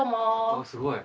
あっすごい。